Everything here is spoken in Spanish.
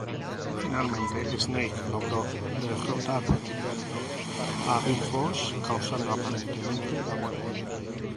Finalmente Snake logró derrotar a Big Boss, causando aparentemente la muerte.